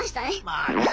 まあね。